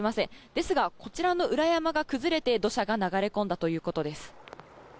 ですが、こちらの裏山が崩れて土砂が流れ込んだということです。